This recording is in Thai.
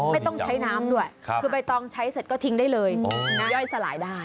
ไม่ต้องใช้น้ำด้วยคือใบตองใช้เสร็จก็ทิ้งได้เลยย่อยสลายได้